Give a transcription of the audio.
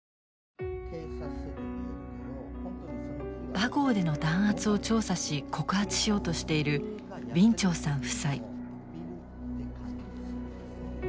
バゴーでの弾圧を調査し告発しようとしているウィン・チョウさん夫妻。